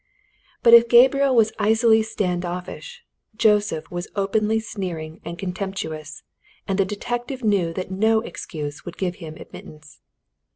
But if Gabriel was icily stand offish, Joseph was openly sneering and contemptuous, and the detective knew that no excuse would give him admittance.